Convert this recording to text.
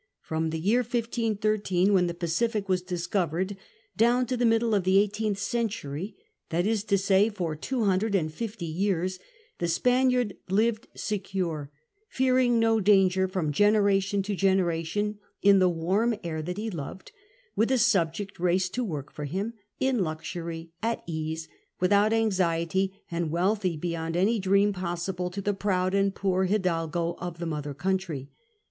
From the year 1513, when the Pacific was discovered, down to the mid<llc of the eighteenth century —that is to say, for two hundred and fifty years, the Spaniard lived secure, fearing no danger, from generation to generation, in the warm air that he loved, with a subject race to work for him, in luxury, at ease, without anxiety, and wealthy beyond any dream possible to the proud and poor hidalgo of the mother country.